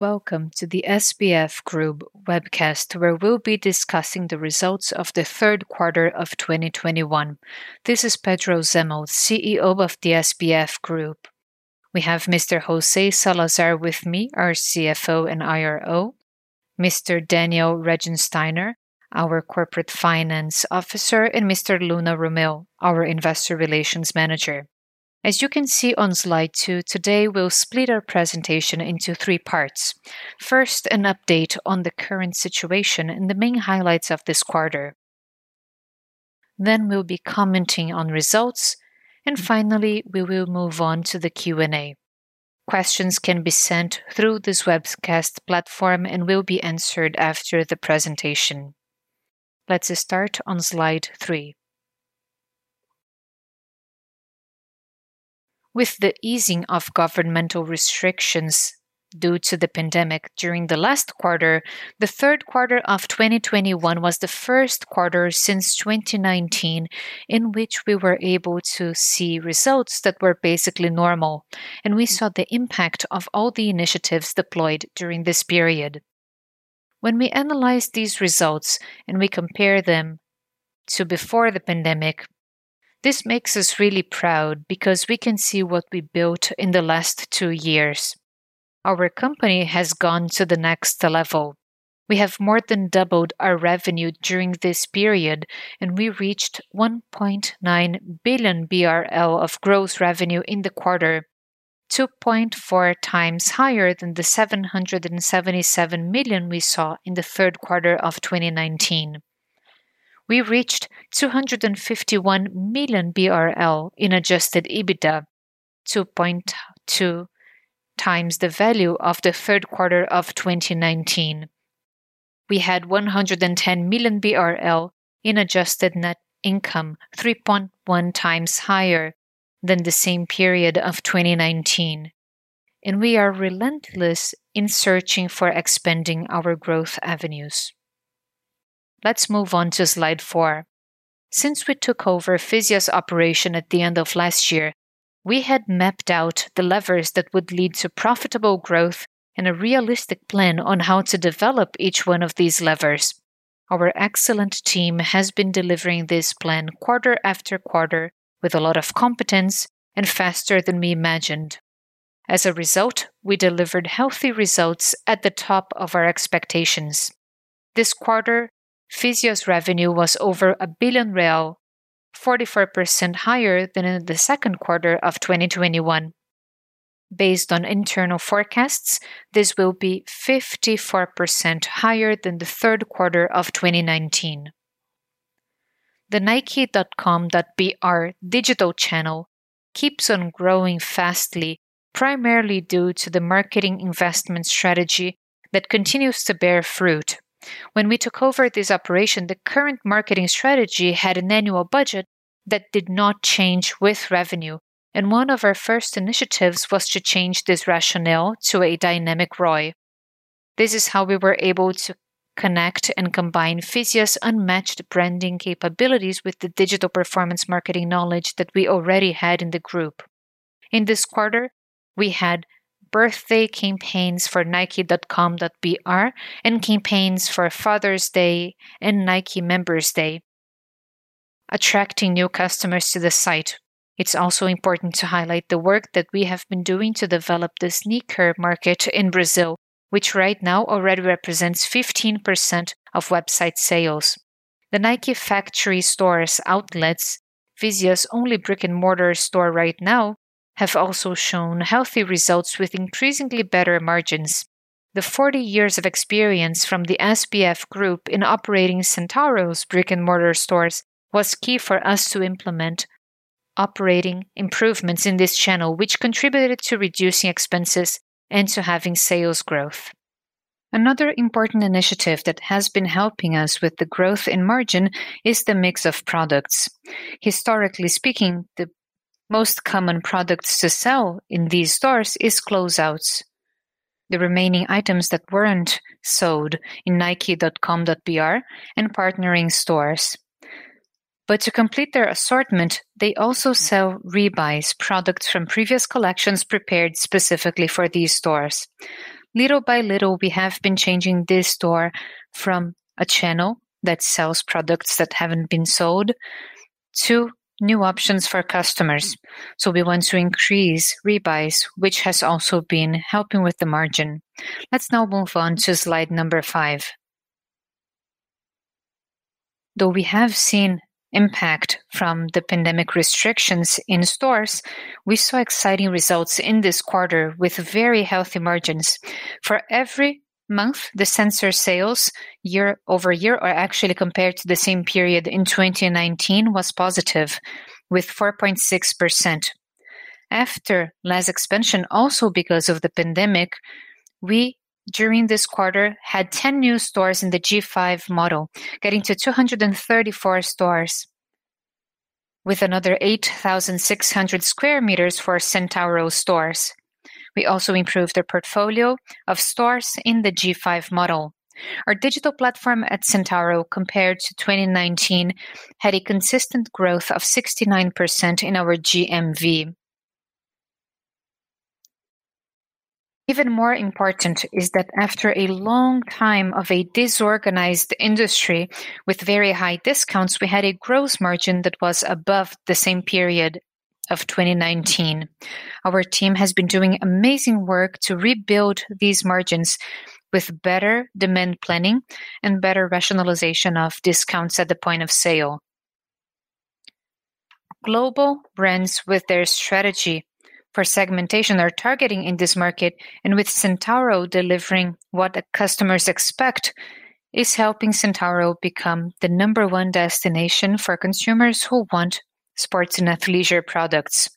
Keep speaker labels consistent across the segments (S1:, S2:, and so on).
S1: Welcome to the Grupo SBF webcast, where we'll be discussing the results of the third quarter of 2021. This is Pedro Zemel, CEO of the Grupo SBF. We have Mr. José Salazar with me, our CFO and IRO, Mr. Daniel Regensteiner, our Corporate Finance Officer, and Ms. Luna Romeu, our Investor Relations Manager. As you can see on slide two, today we'll split our presentation into three parts. First, an update on the current situation and the main highlights of this quarter. We'll be commenting on results, and finally, we will move on to the Q&A. Questions can be sent through this webcast platform and will be answered after the presentation. Let's start on slide three. With the easing of governmental restrictions due to the pandemic during the last quarter, the third quarter of 2021 was the first quarter since 2019 in which we were able to see results that were basically normal, and we saw the impact of all the initiatives deployed during this period. When we analyze these results and we compare them to before the pandemic, this makes us really proud because we can see what we built in the last two years. Our company has gone to the next level. We have more than doubled our revenue during this period, and we reached 1.9 billion BRL of growth revenue in the quarter, 2.4x higher than the 777 million we saw in the third quarter of 2019. We reached 251 million BRL in Adjusted EBITDA, 2.2x the value of the third quarter of 2019. We had 110 million BRL in adjusted net income, 3.1x higher than the same period of 2019, and we are relentless in searching for expanding our growth avenues. Let's move on to slide four. Since we took over Fisia's operation at the end of last year, we had mapped out the levers that would lead to profitable growth and a realistic plan on how to develop each one of these levers. Our excellent team has been delivering this plan quarter after quarter with a lot of competence and faster than we imagined. As a result, we delivered healthy results at the top of our expectations. This quarter, Fisia's revenue was over 1 billion real, 44% higher than in the second quarter of 2021. Based on internal forecasts, this will be 54% higher than the third quarter of 2019. The Nike.com.br digital channel keeps on growing fast, primarily due to the marketing investment strategy that continues to bear fruit. When we took over this operation, the current marketing strategy had an annual budget that did not change with revenue, and one of our first initiatives was to change this rationale to a dynamic ROI. This is how we were able to connect and combine Fisia's unmatched branding capabilities with the digital performance marketing knowledge that we already had in the group. In this quarter, we had birthday campaigns for Nike.com.br and campaigns for Father's Day and Nike Members Day, attracting new customers to the site. It's also important to highlight the work that we have been doing to develop the sneaker market in Brazil, which right now already represents 15% of website sales. The Nike Factory Store outlets, Fisia's only brick-and-mortar store right now, have also shown healthy results with increasingly better margins. The 40 years of experience from Grupo SBF in operating Centauro's brick-and-mortar stores was key for us to implement operating improvements in this channel, which contributed to reducing expenses and to having sales growth. Another important initiative that has been helping us with the growth in margin is the mix of products. Historically speaking, the most common products to sell in these stores is closeouts, the remaining items that weren't sold in Nike.com.br and partnering stores. To complete their assortment, they also sell rebuy's products from previous collections prepared specifically for these stores. Little by little, we have been changing this store from a channel that sells products that haven't been sold to new options for customers. We want to increase rebuy's, which has also been helping with the margin. Let's now move on to slide five. Though we have seen impact from the pandemic restrictions in stores, we saw exciting results in this quarter with very healthy margins. For every month, the same-store sales year-over-year are actually compared to the same period in 2019 was positive with 4.6%. After less expansion, also because of the pandemic, we during this quarter had 10 new stores in the G5 model, getting to 234 stores with another 8,600 sq m for Centauro stores. We also improved their portfolio of stores in the G5 model. Our digital platform at Centauro, compared to 2019, had a consistent growth of 69% in our GMV. Even more important is that after a long time of a disorganized industry with very high discounts, we had a gross margin that was above the same period of 2019. Our team has been doing amazing work to rebuild these margins with better demand planning and better rationalization of discounts at the point of sale. Global brands with their strategy for segmentation are targeting in this market, and with Centauro delivering what the customers expect is helping Centauro become the number one destination for consumers who want sports and athleisure products.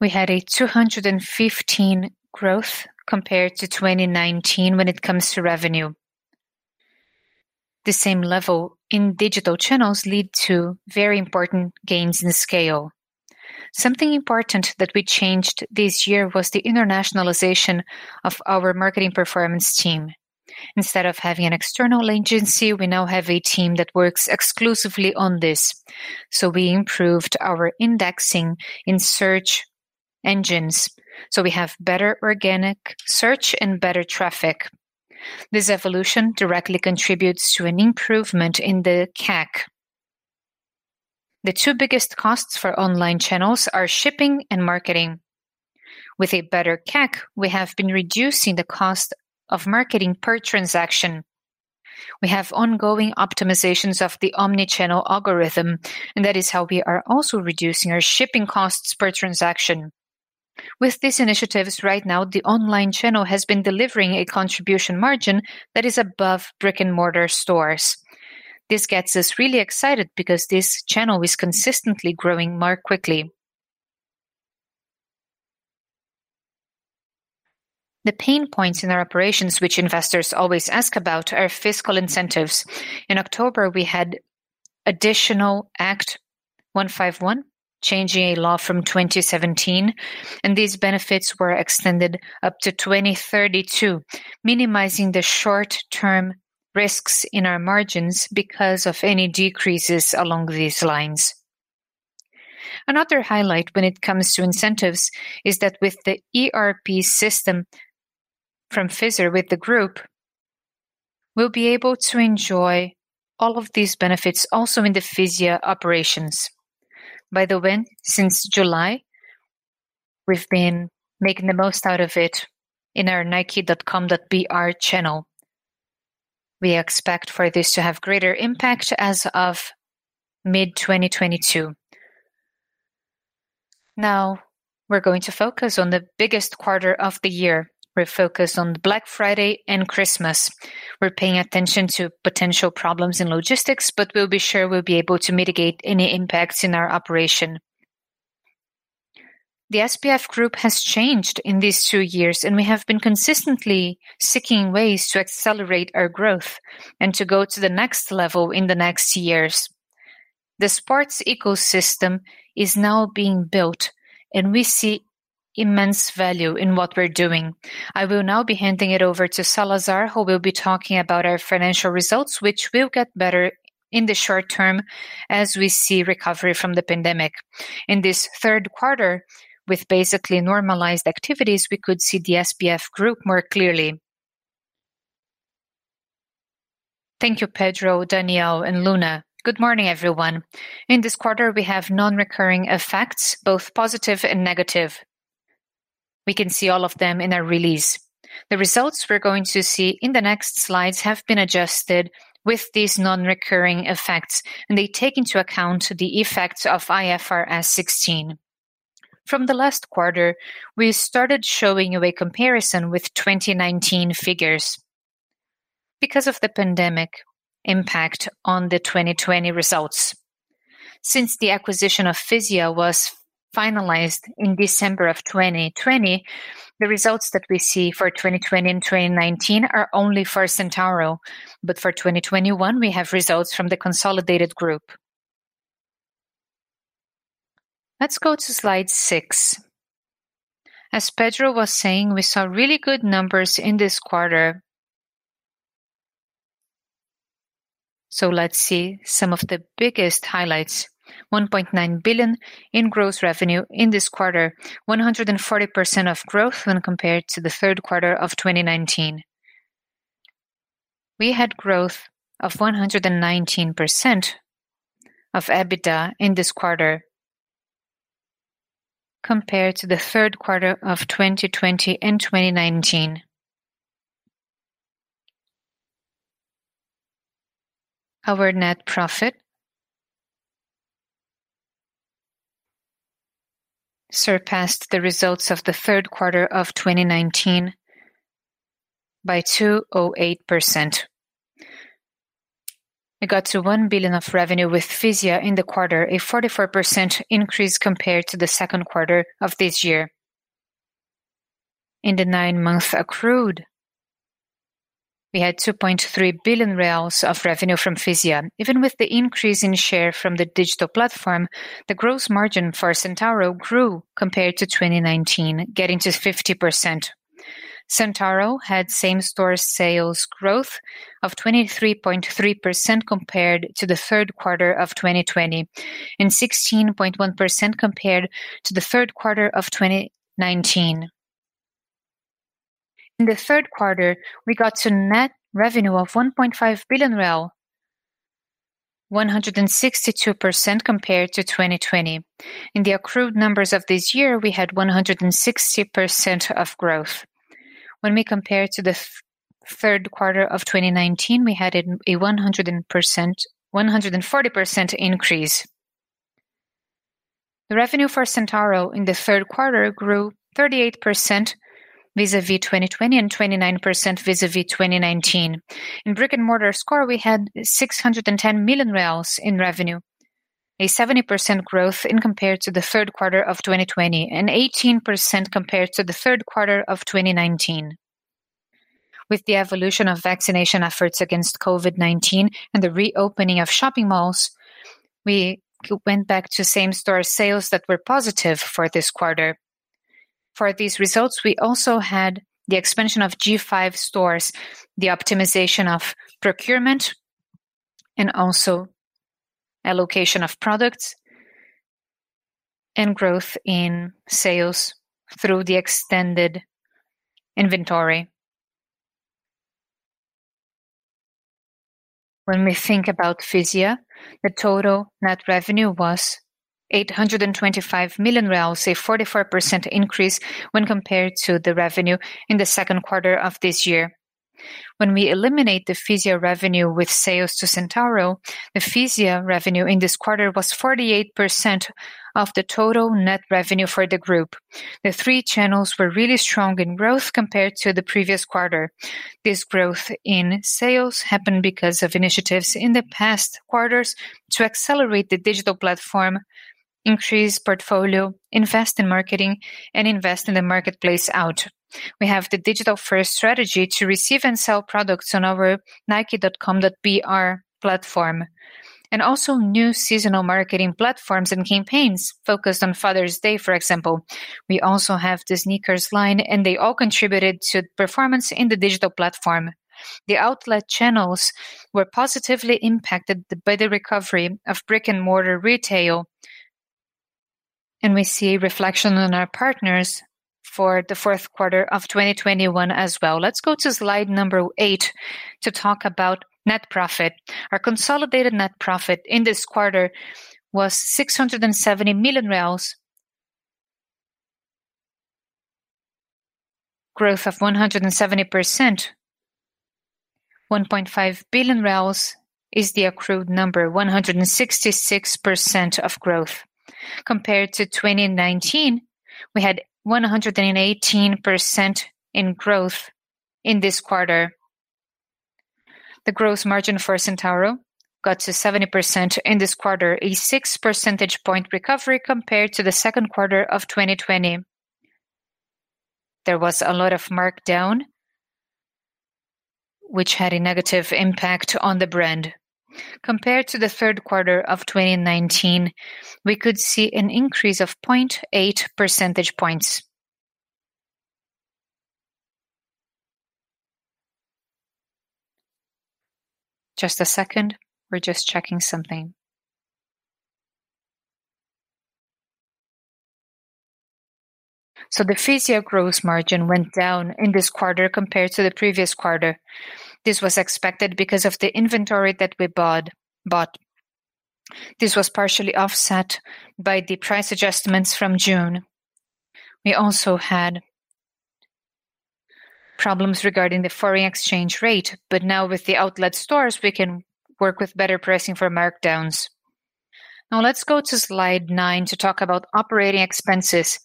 S1: We had a 215% growth compared to 2019 when it comes to revenue. The same level in digital channels lead to very important gains in scale. Something important that we changed this year was the internationalization of our marketing performance team. Instead of having an external agency, we now have a team that works exclusively on this. We improved our indexing in search engines, so we have better organic search and better traffic. This evolution directly contributes to an improvement in the CAC. The two biggest costs for online channels are shipping and marketing. With a better CAC, we have been reducing the cost of marketing per transaction. We have ongoing optimizations of the omni-channel algorithm, and that is how we are also reducing our shipping costs per transaction. With these initiatives right now, the online channel has been delivering a contribution margin that is above brick-and-mortar stores. This gets us really excited because this channel is consistently growing more quickly. The pain points in our operations which investors always ask about are fiscal incentives. In October, we had additional Act 151 changing a law from 2017, and these benefits were extended up to 2032, minimizing the short-term risks in our margins because of any decreases along these lines. Another highlight when it comes to incentives is that with the ERP system from SAP with the group, we'll be able to enjoy all of these benefits also in the Fisia operations. By the way, since July, we've been making the most out of it in our Nike.com.br channel. We expect for this to have greater impact as of mid-2022. Now we're going to focus on the biggest quarter of the year. We're focused on Black Friday and Christmas. We're paying attention to potential problems in logistics, but we'll be sure we'll be able to mitigate any impacts in our operation. The Grupo SBF has changed in these two years, and we have been consistently seeking ways to accelerate our growth and to go to the next level in the next years. The sports ecosystem is now being built, and we see immense value in what we're doing. I will now be handing it over to Salazar, who will be talking about our financial results, which will get better in the short term as we see recovery from the pandemic. In this third quarter with basically normalized activities, we could see the Grupo SBF more clearly.
S2: Thank you Pedro, Daniel, and Luna. Good morning, everyone. In this quarter, we have non-recurring effects, both positive and negative. We can see all of them in our release. The results we're going to see in the next slides have been adjusted with these non-recurring effects, and they take into account the effects of IFRS 16. From the last quarter, we started showing you a comparison with 2019 figures because of the pandemic impact on the 2020 results. Since the acquisition of Fisia was finalized in December of 2020, the results that we see for 2020 and 2019 are only for Centauro. For 2021, we have results from the consolidated group. Let's go to slide six. As Pedro was saying, we saw really good numbers in this quarter. Let's see some of the biggest highlights. 1.9 billion in gross revenue in this quarter. 140% growth when compared to the third quarter of 2019. We had growth of 119% of EBITDA in this quarter compared to the third quarter of 2020 and 2019. Our net profit surpassed the results of the third quarter of 2019 by 208%. We got to 1 billion of revenue with Fisia in the quarter, a 44% increase compared to the second quarter of this year. In the nine-month accrued, we had 2.3 billion reais of revenue from Fisia. Even with the increase in share from the digital platform, the gross margin for Centauro grew compared to 2019, getting to 50%. Centauro had same-store sales growth of 23.3% compared to the third quarter of 2020 and 16.1% compared to the third quarter of 2019. In the third quarter, we got to net revenue of 1.5 billion real, 162% compared to 2020. In the accrued numbers of this year, we had 160% of growth. When we compare to the third quarter of 2019, we had a 140% increase. The revenue for Centauro in the third quarter grew 38% vis-à-vis 2020 and 29% vis-à-vis 2019. In brick-and-mortar stores, we had 610 million reais in revenue, a 70% growth compared to the third quarter of 2020 and 18% compared to the third quarter of 2019. With the evolution of vaccination efforts against COVID-19 and the reopening of shopping malls, we went back to same-store sales that were positive for this quarter. For these results, we also had the expansion of G5 stores, the optimization of procurement, and also allocation of products and growth in sales through the extended inventory. When we think about Fisia, the total net revenue was 825 million reais, a 44% increase when compared to the revenue in the second quarter of this year. When we eliminate the Fisia revenue with sales to Centauro, the Fisia revenue in this quarter was 48% of the total net revenue for the group. The three channels were really strong in growth compared to the previous quarter. This growth in sales happened because of initiatives in the past quarters to accelerate the digital platform, increase portfolio, invest in marketing, and invest in the marketplace out. We have the digital-first strategy to receive and sell products on our Nike.com.br platform, and also new seasonal marketing platforms and campaigns focused on Father's Day, for example. We also have the sneakers line, and they all contributed to performance in the digital platform. The outlet channels were positively impacted by the recovery of brick-and-mortar retail, and we see a reflection on our partners for the fourth quarter of 2021 as well. Let's go to slide number eight to talk about net profit. Our consolidated net profit in this quarter was 670 million reais, growth of 170%. 1.5 billion reais is the accrued number, 166% of growth. Compared to 2019, we had 118% in growth in this quarter. The growth margin for Centauro got to 70% in this quarter, a 6 percentage point recovery compared to the second quarter of 2020. There was a lot of mark down which had a negative impact on the brand. Compared to the third quarter of 2019, we could see an increase of 0.8 percentage points. Just a second. We're just checking something. The Fisia gross margin went down in this quarter compared to the previous quarter. This was expected because of the inventory that we bought. This was partially offset by the price adjustments from June. We also had problems regarding the foreign exchange rate, but now with the outlet stores, we can work with better pricing for markdowns. Now let's go to slide nine to talk about operating expenses.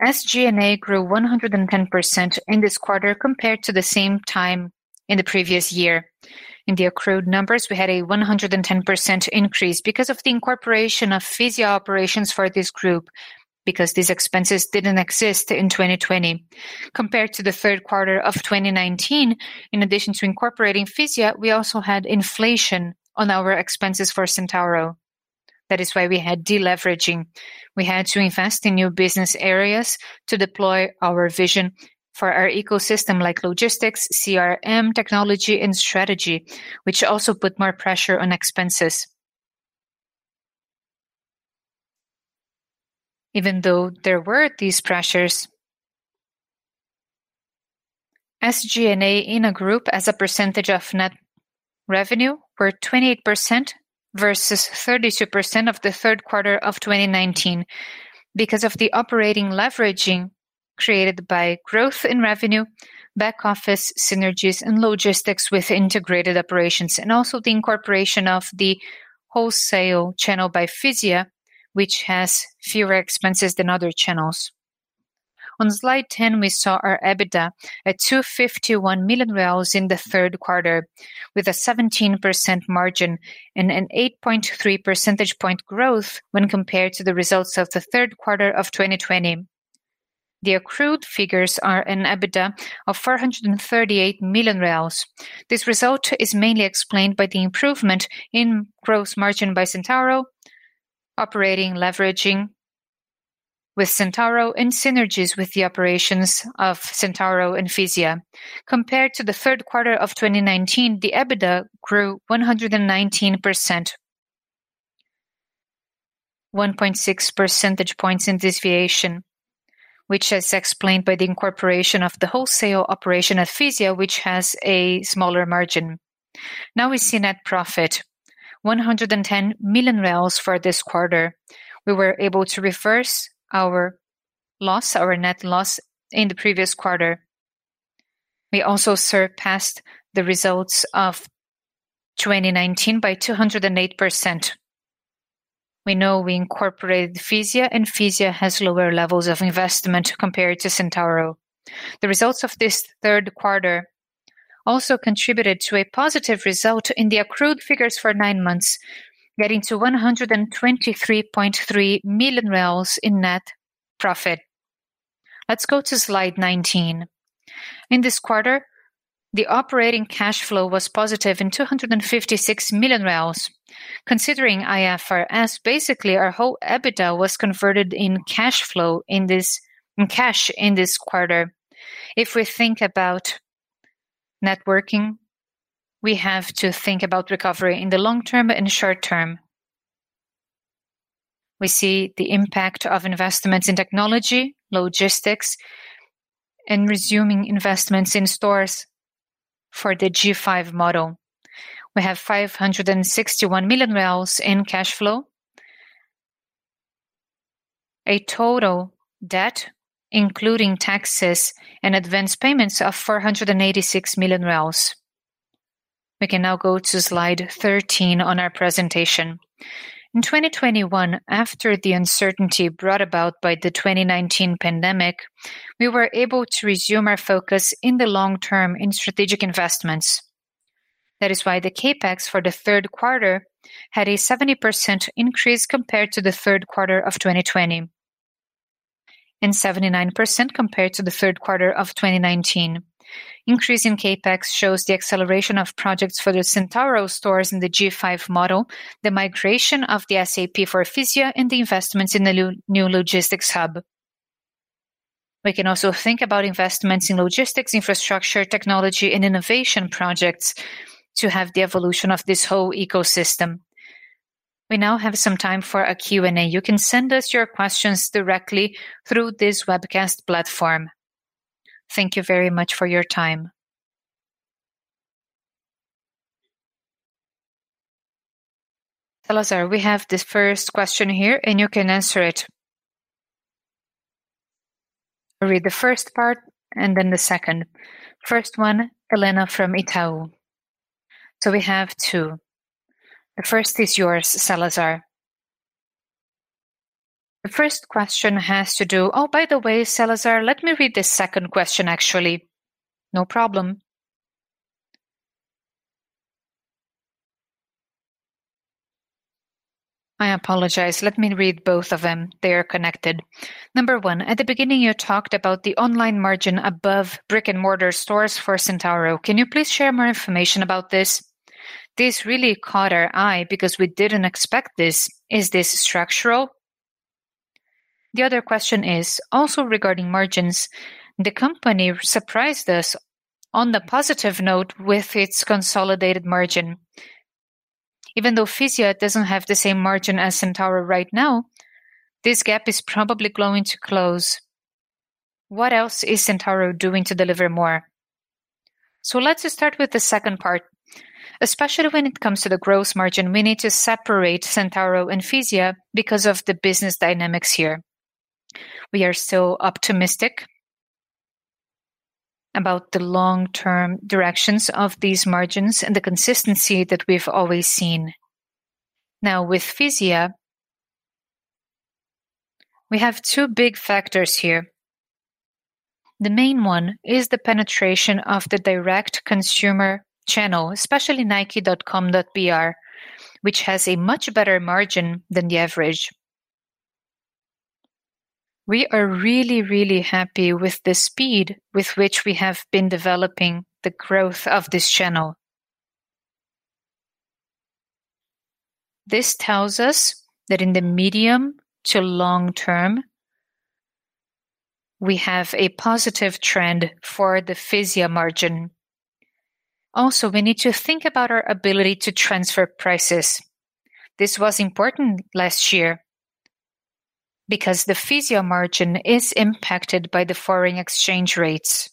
S2: SG&A grew 110% in this quarter compared to the same time in the previous year. In the accrued numbers, we had a 110% increase because of the incorporation of Fisia operations for this group because these expenses didn't exist in 2020. Compared to the third quarter of 2019, in addition to incorporating Fisia, we also had inflation on our expenses for Centauro. That is why we had deleveraging. We had to invest in new business areas to deploy our vision for our ecosystem like logistics, CRM, technology, and strategy, which also put more pressure on expenses. Even though there were these pressures, SG&A in a group as a percentage of net revenue were 28% versus 32% of the third quarter of 2019 because of the operating leveraging created by growth in revenue, back office synergies, and logistics with integrated operations, and also the incorporation of the wholesale channel by Fisia, which has fewer expenses than other channels. On slide 10, we saw our EBITDA at 251 million reais in the third quarter with a 17% margin and an 8.3 percentage point growth when compared to the results of the third quarter of 2020. The accrued figures are an EBITDA of 438 million reais. This result is mainly explained by the improvement in gross margin by Centauro. Operating leveraging with Centauro and synergies with the operations of Centauro and Fisia. Compared to the third quarter of 2019, the EBITDA grew 119%. 1.6 percentage points in deviation, which is explained by the incorporation of the wholesale operation at Fisia, which has a smaller margin. Now we see net profit, 110 million reais for this quarter. We were able to reverse our loss, our net loss in the previous quarter. We also surpassed the results of 2019 by 208%. We know we incorporated Fisia, and Fisia has lower levels of investment compared to Centauro. The results of this third quarter also contributed to a positive result in the accrued figures for nine months, getting to 123.3 million reais in net profit. Let's go to slide 19. In this quarter, the operating cash flow was positive in 256 million. Considering IFRS, basically our whole EBITDA was converted into cash flow in this quarter. If we think about working capital, we have to think about recovery in the long term and short term. We see the impact of investments in technology, logistics, and resuming investments in stores for the G5 model. We have 561 million in cash flow. A total debt, including taxes and advance payments of 486 million. We can now go to slide 13 on our presentation. In 2021, after the uncertainty brought about by the 2019 pandemic, we were able to resume our focus in the long term in strategic investments. That is why the CapEx for the third quarter had a 70% increase compared to the third quarter of 2020. Seventy-nine percent compared to the third quarter of 2019. Increase in CapEx shows the acceleration of projects for the Centauro stores in the G5 model, the migration of the SAP for Fisia, and the investments in the new logistics hub. We can also think about investments in logistics, infrastructure, technology, and innovation projects to have the evolution of this whole ecosystem. We now have some time for a Q&A. You can send us your questions directly through this webcast platform. Thank you very much for your time.
S3: Salazar, we have this first question here, and you can answer it. I'll read the first part and then the second. First one, Helena from Itaú. We have two. The first is yours, Salazar. The first question has to do. Oh, by the way, Salazar, let me read the second question, actually.
S2: No problem.
S3: I apologize. Let me read both of them. They are connected. Number one, at the beginning, you talked about the online margin above brick-and-mortar stores for Centauro. Can you please share more information about this? This really caught our eye because we didn't expect this. Is this structural? The other question is also regarding margins. The company surprised us on the positive note with its consolidated margin. Even though Fisia doesn't have the same margin as Centauro right now, this gap is probably going to close. What else is Centauro doing to deliver more?
S1: Let's start with the second part. Especially when it comes to the gross margin, we need to separate Centauro and Fisia because of the business dynamics here. We are still optimistic about the long-term directions of these margins and the consistency that we've always seen. Now, with Fisia, we have two big factors here. The main one is the penetration of the direct consumer channel, especially Nike.com.br, which has a much better margin than the average. We are really, really happy with the speed with which we have been developing the growth of this channel. This tells us that in the medium to long term, we have a positive trend for the Fisia margin. We need to think about our ability to transfer prices. This was important last year because the Fisia margin is impacted by the foreign exchange rates.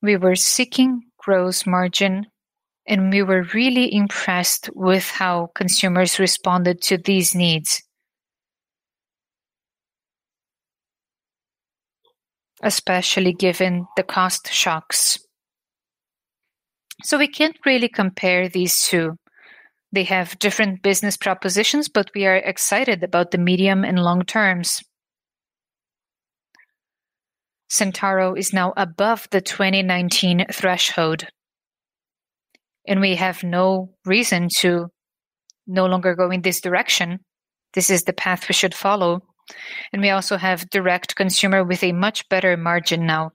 S1: We were seeking gross margin, and we were really impressed with how consumers responded to these needs, especially given the cost shocks. We can't really compare these two. They have different business propositions, but we are excited about the medium and long terms. Centauro is now above the 2019 threshold, and we have no reason to no longer go in this direction. This is the path we should follow. We also have direct consumer with a much better margin now.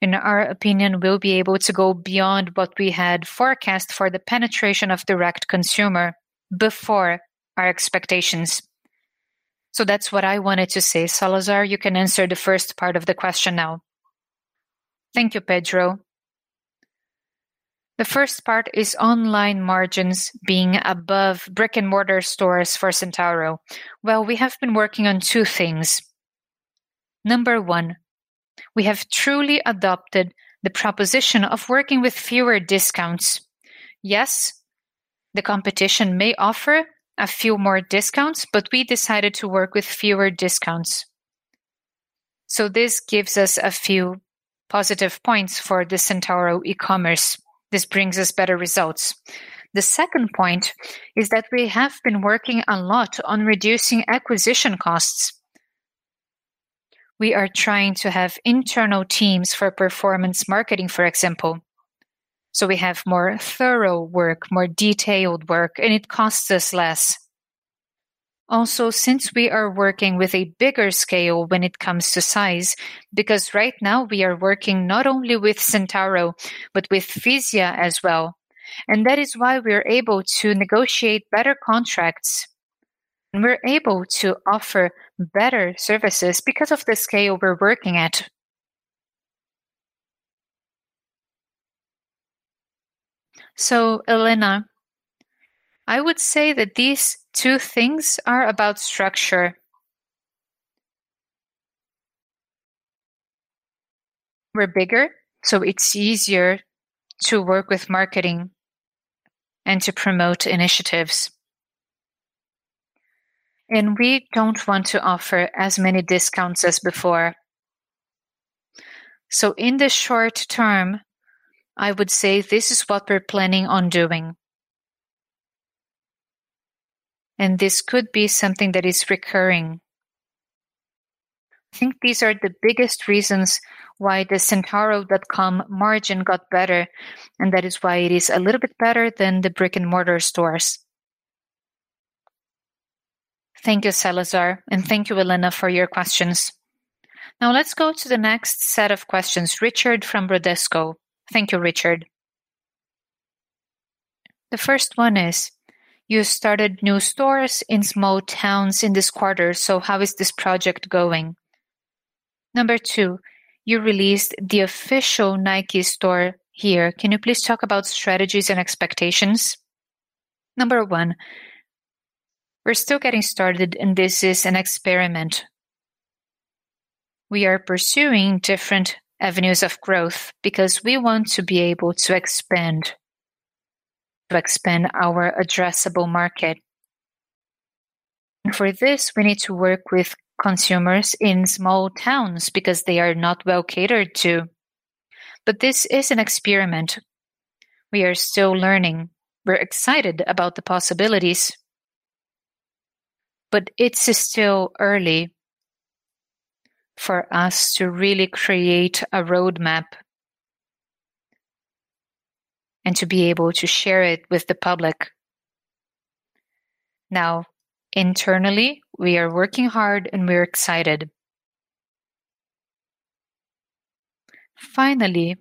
S1: In our opinion, we'll be able to go beyond what we had forecast for the penetration of direct consumer before our expectations. That's what I wanted to say. Salazar, you can answer the first part of the question now.
S2: Thank you, Pedro. The first part is online margins being above brick-and-mortar stores for Centauro. Well, we have been working on two things. Number one, we have truly adopted the proposition of working with fewer discounts. Yes, the competition may offer a few more discounts, but we decided to work with fewer discounts. This gives us a few positive points for the Centauro e-commerce. This brings us better results. The second point is that we have been working a lot on reducing acquisition costs. We are trying to have internal teams for performance marketing, for example. We have more thorough work, more detailed work, and it costs us less. Since we are working with a bigger scale when it comes to size, because right now we are working not only with Centauro but with Fisia as well. That is why we are able to negotiate better contracts, and we're able to offer better services because of the scale we're working at. Helena, I would say that these two things are about structure. We're bigger, so it's easier to work with marketing and to promote initiatives. We don't want to offer as many discounts as before. In the short term, I would say this is what we're planning on doing. This could be something that is recurring. I think these are the biggest reasons why the Centauro.com margin got better, and that is why it is a little bit better than the brick-and-mortar stores.
S3: Thank you, Salazar, and thank you, Helena, for your questions. Now let's go to the next set of questions. Richard from Bradesco. Thank you, Richard. The first one is, you started new stores in small towns in this quarter, so how is this project going? Number two, you released the official Nike store here. Can you please talk about strategies and expectations?
S1: Number one, we're still getting started, and this is an experiment. We are pursuing different avenues of growth because we want to be able to expand our addressable market. For this, we need to work with consumers in small towns because they are not well catered to. This is an experiment. We are still learning. We're excited about the possibilities. It's still early for us to really create a roadmap and to be able to share it with the public. Now, internally, we are working hard, and we're excited. Finally,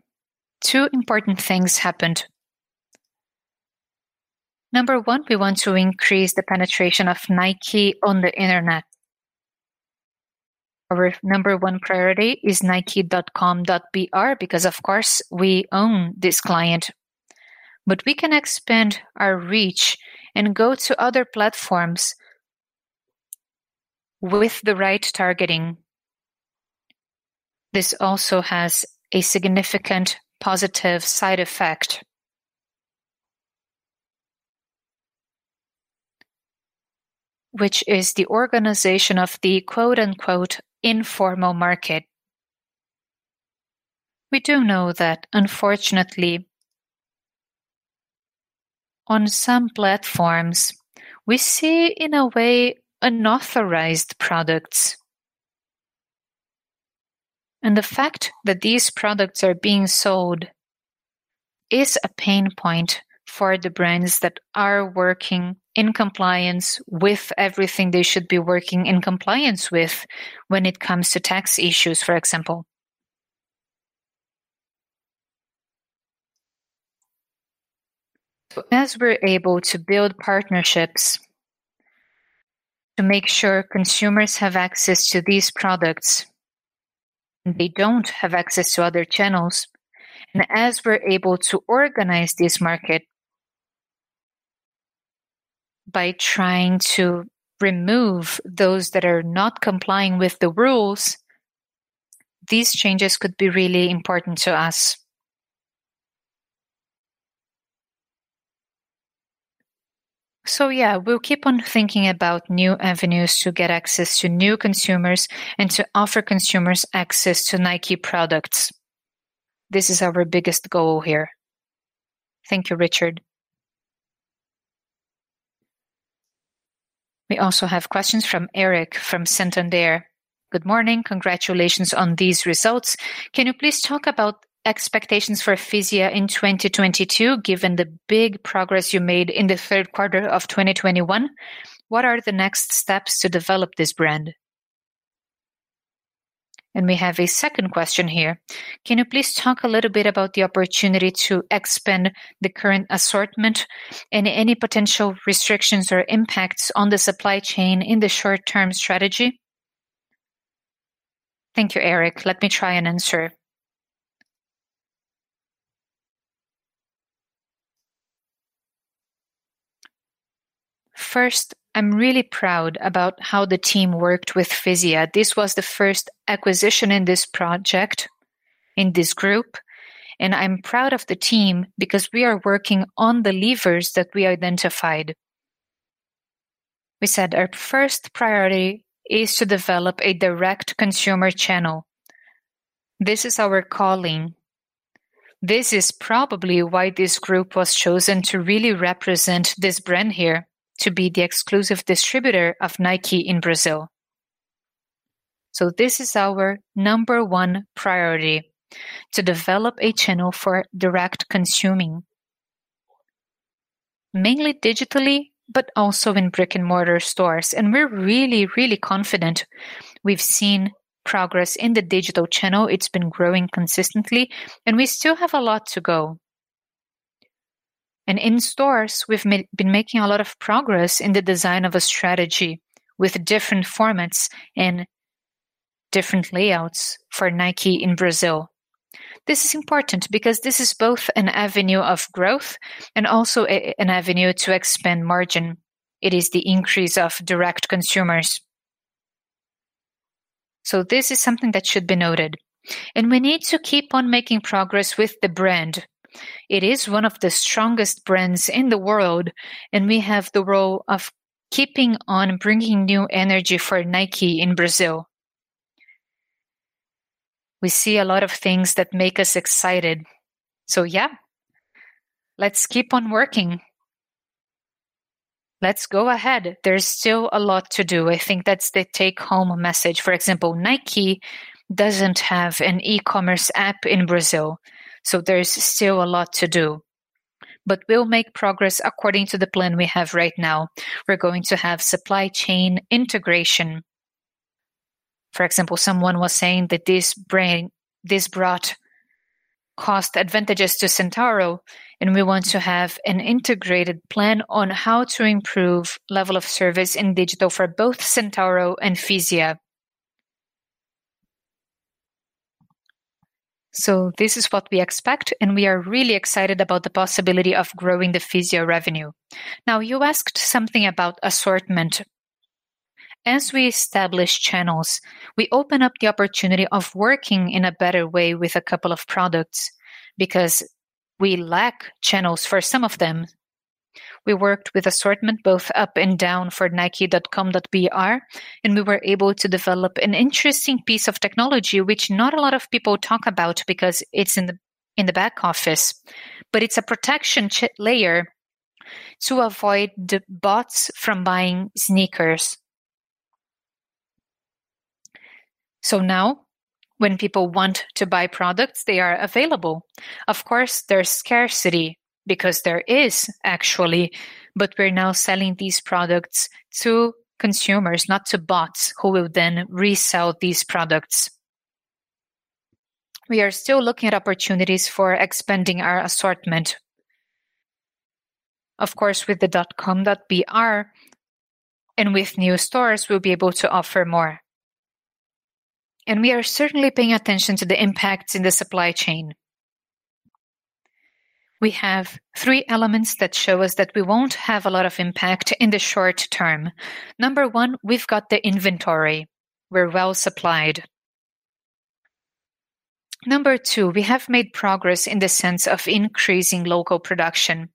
S1: two important things happened. Number one, we want to increase the penetration of Nike on the internet. Our number one priority is Nike.com.br because of course, we own this client. We can expand our reach and go to other platforms with the right targeting. This also has a significant positive side effect, which is the organization of the quote-unquote, "informal market." We do know that unfortunately, on some platforms, we see in a way unauthorized products. The fact that these products are being sold is a pain point for the brands that are working in compliance with everything they should be working in compliance with when it comes to tax issues, for example. As we're able to build partnerships to make sure consumers have access to these products, and they don't have access to other channels. As we're able to organize this market by trying to remove those that are not complying with the rules, these changes could be really important to us. Yeah, we'll keep on thinking about new avenues to get access to new consumers and to offer consumers access to Nike products. This is our biggest goal here.
S3: Thank you, Richard. We also have questions from Eric from Santander. Good morning. Congratulations on these results. Can you please talk about expectations for Fisia in 2022, given the big progress you made in the third quarter of 2021? What are the next steps to develop this brand? And we have a second question here. Can you please talk a little bit about the opportunity to expand the current assortment and any potential restrictions or impacts on the supply chain in the short-term strategy?
S1: Thank you, Eric. Let me try and answer. First, I'm really proud about how the team worked with Fisia. This was the first acquisition in this project, in this group, and I'm proud of the team because we are working on the levers that we identified. We said our first priority is to develop a direct consumer channel. This is our calling. This is probably why this group was chosen to really represent this brand here, to be the exclusive distributor of Nike in Brazil. This is our number one priority, to develop a channel for direct consuming, mainly digitally, but also in brick-and-mortar stores. We're really, really confident. We've seen progress in the digital channel. It's been growing consistently, and we still have a lot to go. In stores, we've been making a lot of progress in the design of a strategy with different formats and different layouts for Nike in Brazil. This is important because this is both an avenue of growth and also a, an avenue to expand margin. It is the increase of direct consumers. This is something that should be noted. We need to keep on making progress with the brand. It is one of the strongest brands in the world, and we have the role of keeping on bringing new energy for Nike in Brazil. We see a lot of things that make us excited. Yeah, let's keep on working. Let's go ahead. There's still a lot to do. I think that's the take-home message. For example, Nike doesn't have an e-commerce app in Brazil, so there's still a lot to do. We'll make progress according to the plan we have right now. We're going to have supply chain integration. For example, someone was saying that this brought cost advantages to Centauro, and we want to have an integrated plan on how to improve level of service in digital for both Centauro and Fisia. This is what we expect, and we are really excited about the possibility of growing the Fisia revenue. Now, you asked something about assortment. As we establish channels, we open up the opportunity of working in a better way with a couple of products because we lack channels for some of them. We worked with assortment both up and down for Nike.com.br, and we were able to develop an interesting piece of technology which not a lot of people talk about because it's in the back office. But it's a protection layer to avoid the bots from buying sneakers. So now when people want to buy products, they are available. Of course, there's scarcity because there is actually, but we're now selling these products to consumers, not to bots who will then resell these products. We are still looking at opportunities for expanding our assortment. Of course, with the Nike.com.br and with new stores, we'll be able to offer more. We are certainly paying attention to the impacts in the supply chain. We have three elements that show us that we won't have a lot of impact in the short term. Number one, we've got the inventory. We're well supplied. Number two, we have made progress in the sense of increasing local production.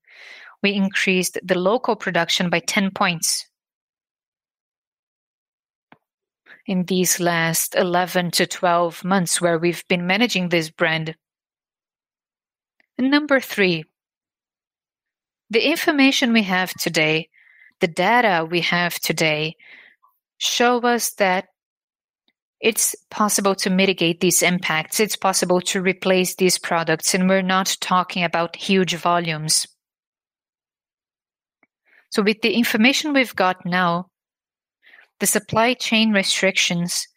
S1: We increased the local production by 10 points in these last 11-12 months where we've been managing this brand. Number three, the information we have today, the data we have today show us that it's possible to mitigate these impacts. It's possible to replace these products, and we're not talking about huge volumes. With the information we've got now, the supply chain restrictions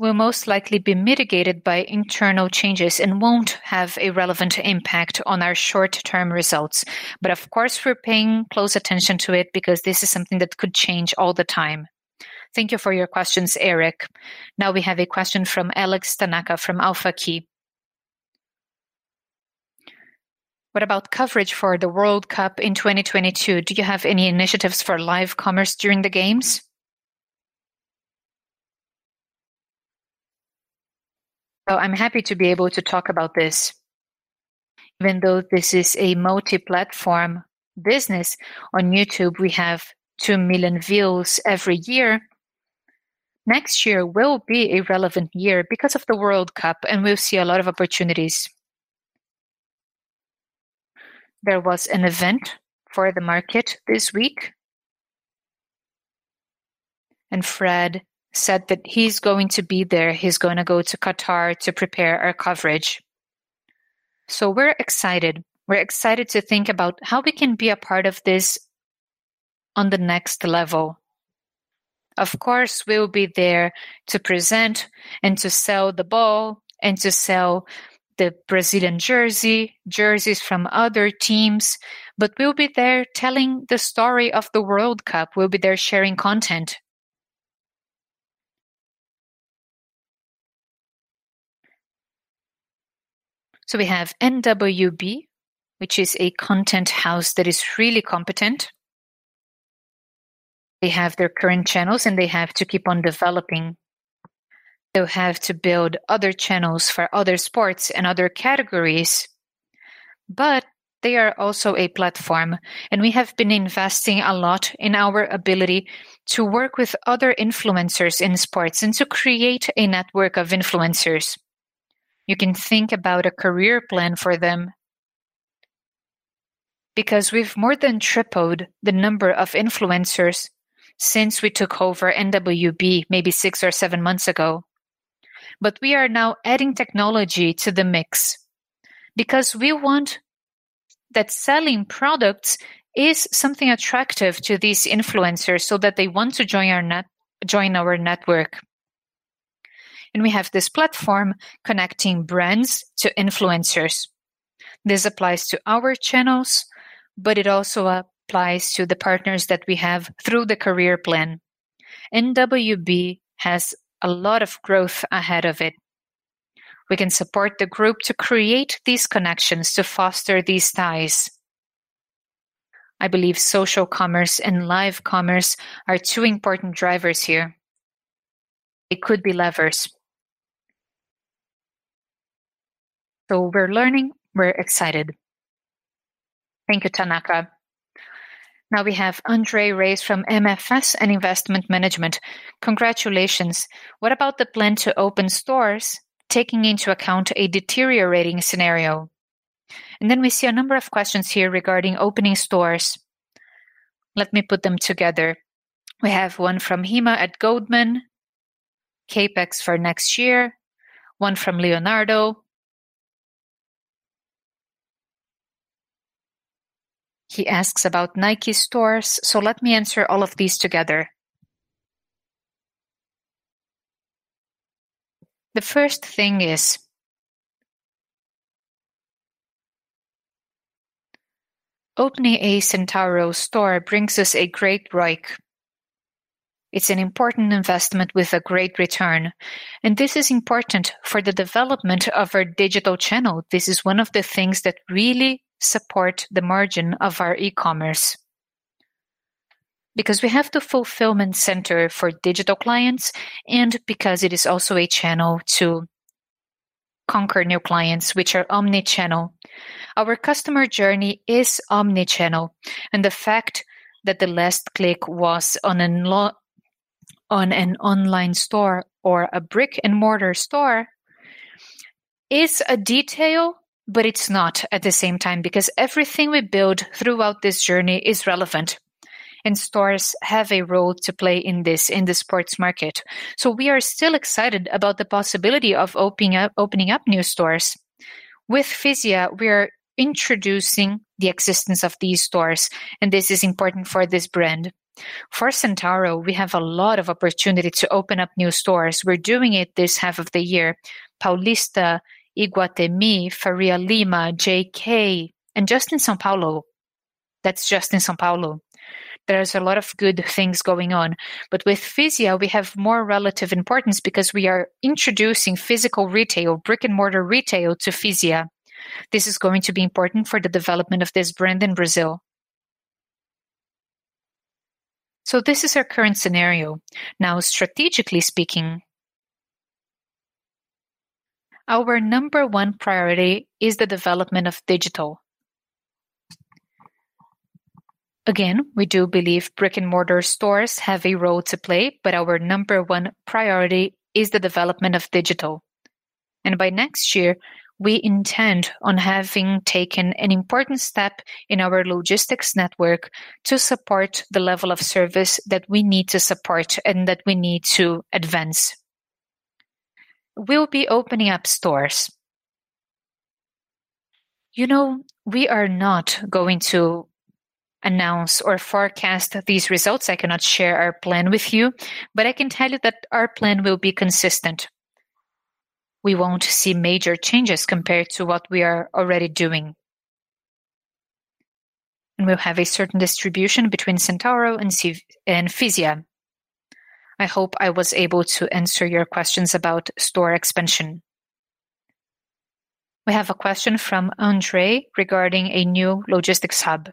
S1: will most likely be mitigated by internal changes and won't have a relevant impact on our short-term results. Of course, we're paying close attention to it because this is something that could change all the time.
S3: Thank you for your questions, Eric. Now we have a question from Alex Tanaka from AlphaKey. What about coverage for the World Cup in 2022? Do you have any initiatives for live commerce during the games?
S1: I'm happy to be able to talk about this. Even though this is a multi-platform business, on YouTube, we have 2 million views every year. Next year will be a relevant year because of the World Cup, and we'll see a lot of opportunities. There was an event for the market this week. Fred said that he's going to be there. He's gonna go to Qatar to prepare our coverage. We're excited to think about how we can be a part of this on the next level. Of course, we'll be there to present and to sell the ball and to sell the Brazilian jersey, jerseys from other teams, but we'll be there telling the story of the World Cup. We'll be there sharing content. We have NWB, which is a content house that is really competent. They have their current channels, and they have to keep on developing. They'll have to build other channels for other sports and other categories, but they are also a platform, and we have been investing a lot in our ability to work with other influencers in sports and to create a network of influencers. You can think about a career plan for them because we've more than tripled the number of influencers since we took over NWB, maybe six or seven months ago. We are now adding technology to the mix because we want that selling products is something attractive to these influencers so that they want to join our network. We have this platform connecting brands to influencers. This applies to our channels, but it also applies to the partners that we have through the career plan. NWB has a lot of growth ahead of it. We can support the group to create these connections to foster these ties. I believe social commerce and live commerce are two important drivers here. They could be levers. We're learning. We're excited.
S3: Thank you, Tanaka. Now we have André Reis from MFS Investment Management. Congratulations. What about the plan to open stores, taking into account a deteriorating scenario? Then we see a number of questions here regarding opening stores. Let me put them together. We have one from Irma at Goldman, CapEx for next year, one from Leonardo. He asks about Nike stores.
S1: Let me answer all of these together. The first thing is, opening a Centauro store brings us a great ROIC. It's an important investment with a great return, and this is important for the development of our digital channel. This is one of the things that really support the margin of our e-commerce. Because we have the fulfillment center for digital clients and because it is also a channel to conquer new clients, which are omnichannel. Our customer journey is omnichannel, and the fact that the last click was on an online store or a brick-and-mortar store is a detail, but it's not at the same time because everything we build throughout this journey is relevant, and stores have a role to play in this, in the sports market. We are still excited about the possibility of opening up new stores. With Fisia, we are introducing the existence of these stores, and this is important for this brand. For Centauro, we have a lot of opportunity to open up new stores. We're doing it this half of the year. Paulista, Iguatemi, Faria Lima, JK, and just in São Paulo. That's just in São Paulo. There's a lot of good things going on. With Fisia, we have more relative importance because we are introducing physical retail, brick-and-mortar retail to Fisia. This is going to be important for the development of this brand in Brazil. This is our current scenario. Now, strategically speaking, our number one priority is the development of digital. Again, we do believe brick-and-mortar stores have a role to play, but our number one priority is the development of digital. By next year, we intend on having taken an important step in our logistics network to support the level of service that we need to support and that we need to advance. We'll be opening up stores. You know, we are not going to announce or forecast these results. I cannot share our plan with you, but I can tell you that our plan will be consistent. We won't see major changes compared to what we are already doing. We'll have a certain distribution between Centauro and Fisia. I hope I was able to answer your questions about store expansion.
S3: We have a question from André regarding a new logistics hub.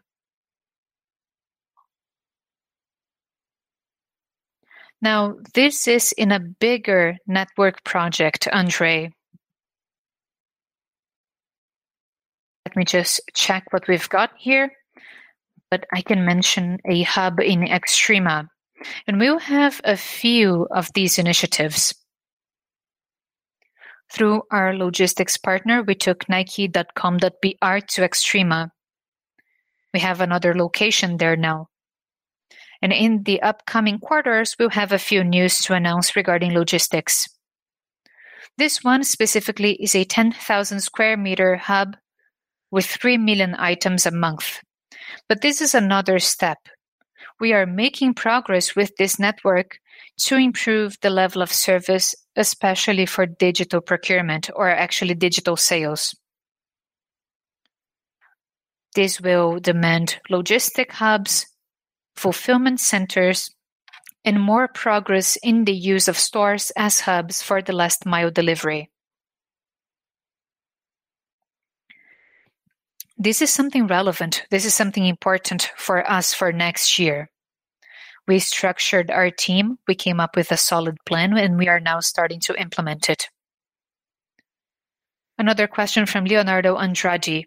S1: Now, this is in a bigger network project, André. Let me just check what we've got here. I can mention a hub in Extrema, and we will have a few of these initiatives. Through our logistics partner, we took Nike.com.br to Extrema. We have another location there now. In the upcoming quarters, we'll have a few news to announce regarding logistics. This one specifically is a 10,000 sq m hub with 3 million items a month. This is another step. We are making progress with this network to improve the level of service, especially for digital procurement or actually digital sales. This will demand logistic hubs, fulfillment centers, and more progress in the use of stores as hubs for the last mile delivery. This is something relevant. This is something important for us for next year. We structured our team, we came up with a solid plan, and we are now starting to implement it.
S3: Another question from Leonardo Andrade: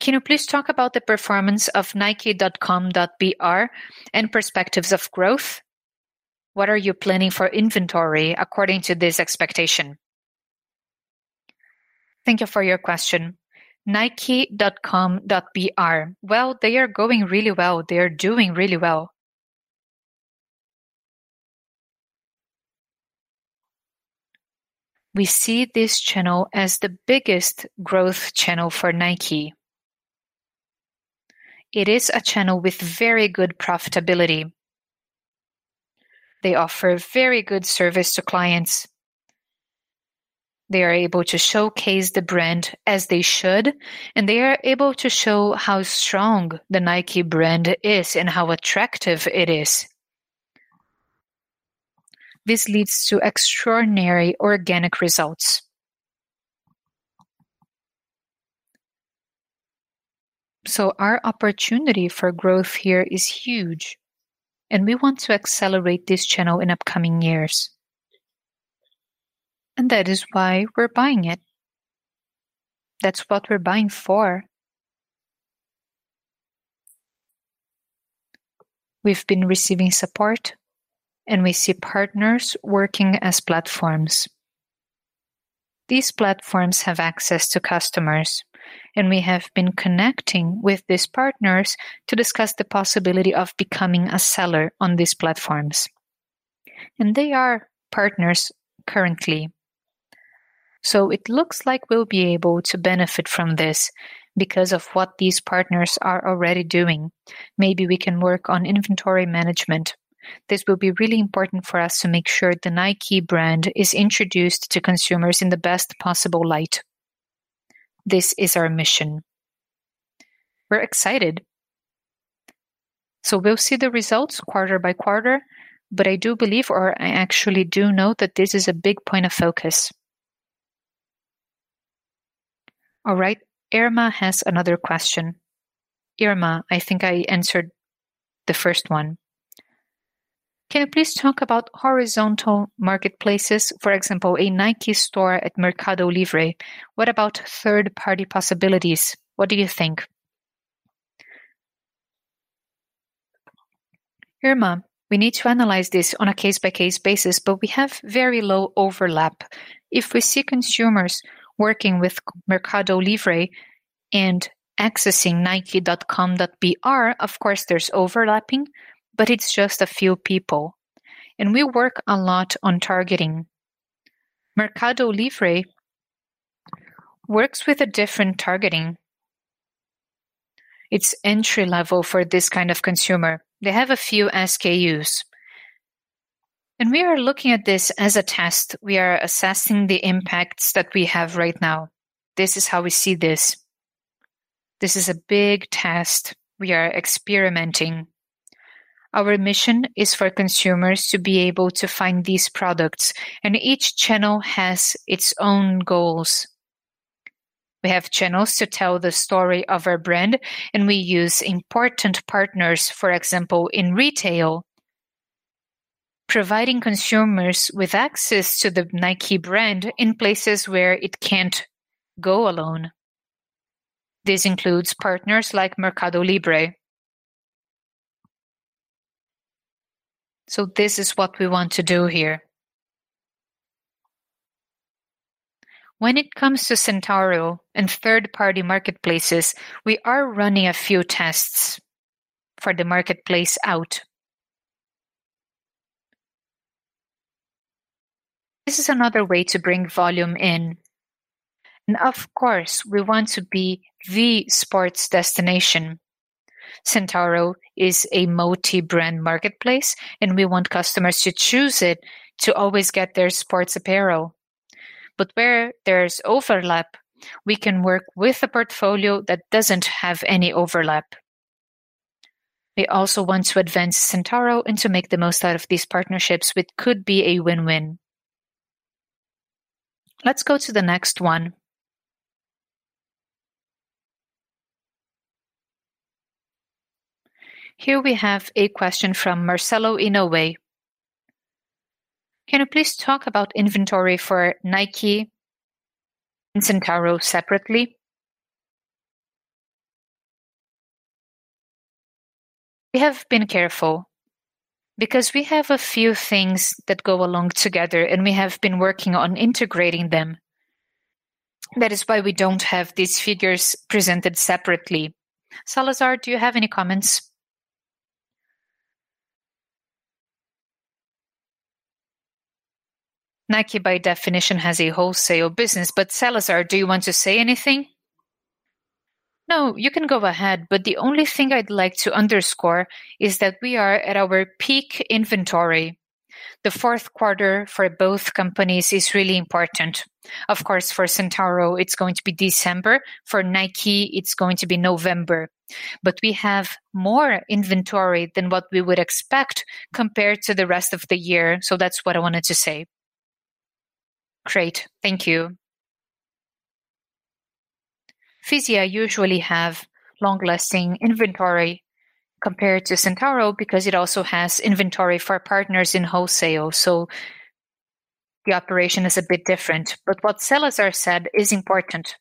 S3: Can you please talk about the performance of Nike.com.br and prospects for growth? What are you planning for inventory according to this expectation?
S1: Thank you for your question. Nike.com.br. Well, they are going really well. They are doing really well. We see this channel as the biggest growth channel for Nike. It is a channel with very good profitability. They offer very good service to clients. They are able to showcase the brand as they should, and they are able to show how strong the Nike brand is and how attractive it is. This leads to extraordinary organic results. Our opportunity for growth here is huge, and we want to accelerate this channel in upcoming years. That is why we're buying it. That's what we're buying for. We've been receiving support, and we see partners working as platforms. These platforms have access to customers, and we have been connecting with these partners to discuss the possibility of becoming a seller on these platforms. They are partners currently. It looks like we'll be able to benefit from this because of what these partners are already doing. Maybe we can work on inventory management. This will be really important for us to make sure the Nike brand is introduced to consumers in the best possible light. This is our mission. We're excited. We'll see the results quarter by quarter, but I do believe, or I actually do know that this is a big point of focus.
S3: All right, Irma has another question.
S1: Irma, I think I answered the first one.
S3: Can you please talk about horizontal marketplaces, for example, a Nike store at Mercado Livre. What about third-party possibilities? What do you think?
S1: Irma, we need to analyze this on a case-by-case basis, but we have very low overlap. If we see consumers working with Mercado Livre and accessing Nike.com.br, of course, there's overlapping, but it's just a few people. We work a lot on targeting. Mercado Livre works with a different targeting. It's entry-level for this kind of consumer. They have a few SKUs. We are looking at this as a test. We are assessing the impacts that we have right now. This is how we see this. This is a big test. We are experimenting. Our mission is for consumers to be able to find these products, and each channel has its own goals. We have channels to tell the story of our brand, and we use important partners, for example, in retail, providing consumers with access to the Nike brand in places where it can't go alone. This includes partners like Mercado Livre. This is what we want to do here. When it comes to Centauro and third-party marketplaces, we are running a few tests for the marketplace out. This is another way to bring volume in. Of course, we want to be the sports destination. Centauro is a multi-brand marketplace, and we want customers to choose it to always get their sports apparel. Where there's overlap, we can work with a portfolio that doesn't have any overlap. We also want to advance Centauro and to make the most out of these partnerships, which could be a win-win.
S3: Let's go to the next one. Here we have a question from Marcelo Inoue. Can you please talk about inventory for Nike and Centauro separately?
S1: We have been careful because we have a few things that go along together, and we have been working on integrating them. That is why we don't have these figures presented separately. Salazar, do you have any comments? Nike, by definition, has a wholesale business, but Salazar, do you want to say anything?
S2: No, you can go ahead, but the only thing I'd like to underscore is that we are at our peak inventory. The fourth quarter for both companies is really important. Of course, for Centauro, it's going to be December. For Nike, it's going to be November. We have more inventory than what we would expect compared to the rest of the year. That's what I wanted to say.
S1: Great. Thank you. Fisia usually have long-lasting inventory compared to Centauro because it also has inventory for partners in wholesale. The operation is a bit different. What Salazar said is important.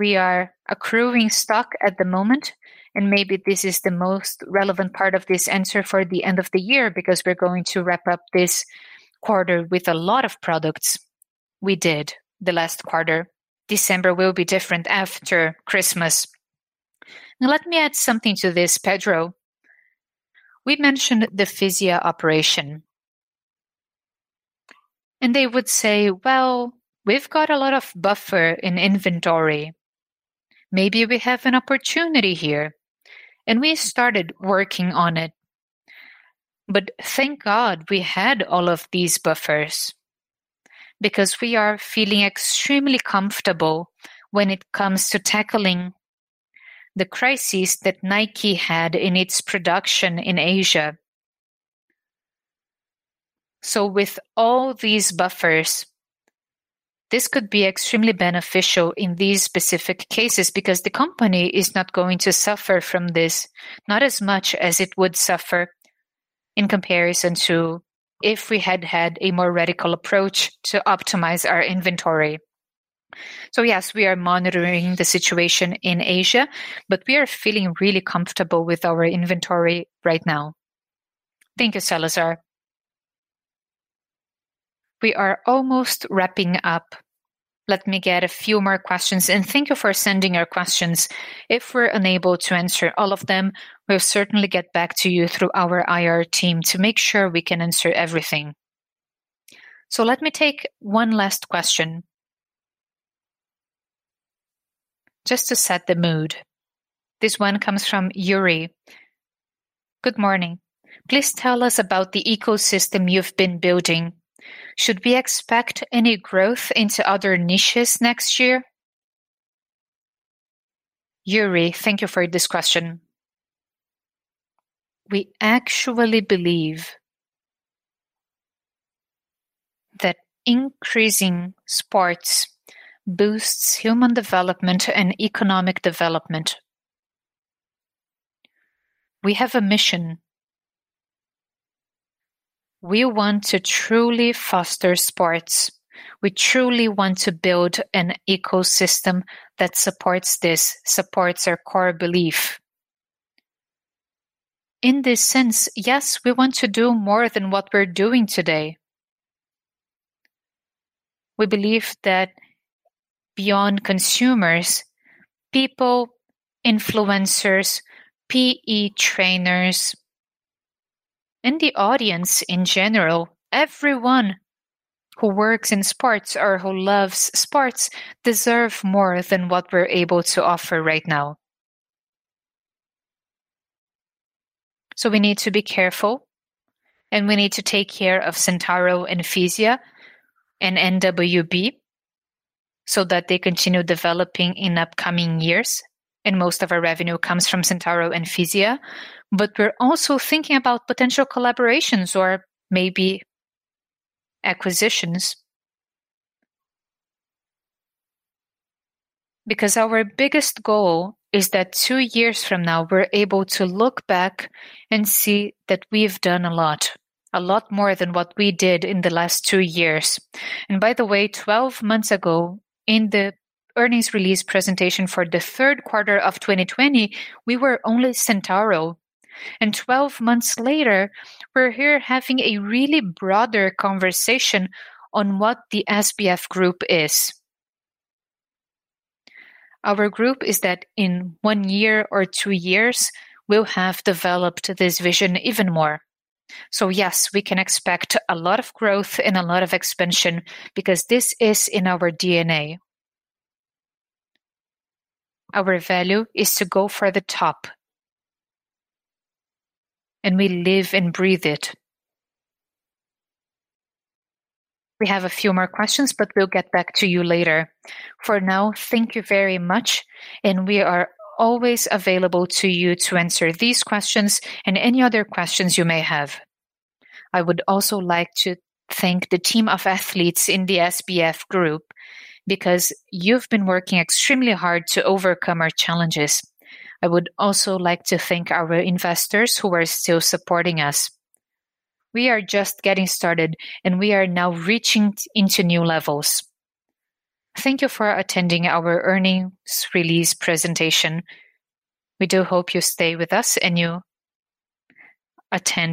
S1: We are accumulating stock at the moment, and maybe this is the most relevant part of this answer for the end of the year because we're going to wrap up this quarter with a lot of products. We did the last quarter. December will be different after Christmas.
S2: Now, let me add something to this, Pedro. We mentioned the Fisia operation. They would say, "Well, we've got a lot of buffer in inventory. Maybe we have an opportunity here." We started working on it. Thank God we had all of these buffers because we are feeling extremely comfortable when it comes to tackling the crisis that Nike had in its production in Asia. With all these buffers, this could be extremely beneficial in these specific cases because the company is not going to suffer from this, not as much as it would suffer in comparison to if we had had a more radical approach to optimize our inventory. Yes, we are monitoring the situation in Asia, but we are feeling really comfortable with our inventory right now.
S3: Thank you, Salazar. We are almost wrapping up. Let me get a few more questions, and thank you for sending your questions. If we're unable to answer all of them, we'll certainly get back to you through our IR team to make sure we can answer everything. Let me take one last question. Just to set the mood. This one comes from Yuri. Good morning. Please tell us about the ecosystem you've been building. Should we expect any growth into other niches next year?
S1: Yuri, thank you for this question. We actually believe that increasing sports boosts human development and economic development. We have a mission. We want to truly foster sports. We truly want to build an ecosystem that supports this, supports our core belief. In this sense, yes, we want to do more than what we're doing today. We believe that beyond consumers, people, influencers, PE trainers, and the audience in general, everyone who works in sports or who loves sports deserve more than what we're able to offer right now. We need to be careful, and we need to take care of Centauro and Fisia and NWB so that they continue developing in upcoming years. Most of our revenue comes from Centauro and Fisia. We're also thinking about potential collaborations or maybe acquisitions. Because our biggest goal is that two years from now, we're able to look back and see that we've done a lot, a lot more than what we did in the last two years. By the way, 12 months ago, in the earnings release presentation for the third quarter of 2020, we were only Centauro. 12 months later, we're here having a really broader conversation on what the Grupo SBF is. Our group is that in one year or two years, we'll have developed this vision even more. Yes, we can expect a lot of growth and a lot of expansion because this is in our DNA. Our value is to go for the top and we live and breathe it. We have a few more questions, but we'll get back to you later. For now, thank you very much, and we are always available to you to answer these questions and any other questions you may have. I would also like to thank the team of athletes in the Grupo SBF because you've been working extremely hard to overcome our challenges. I would also like to thank our investors who are still supporting us. We are just getting started, and we are now reaching into new levels. Thank you for attending our earnings release presentation. We do hope you stay with us and you attend